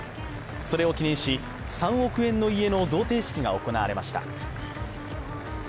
それを記念し３億円の家の贈呈式が行われました。